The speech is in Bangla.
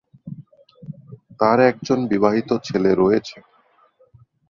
তার একজন বিবাহিত ছেলে রয়েছে।